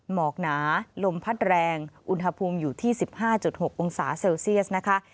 หมอกหนาลมพัดแรงอุณหภูมิอยู่ที่๑๕๖องศาเซลเซียสนะคะ